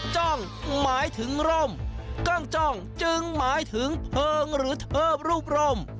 จ้องหมายถึงร่มกล้องจ้องจึงหมายถึงเพลิงหรือเทิบรูปร่ม